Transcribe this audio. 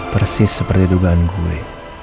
persis seperti dugaan gue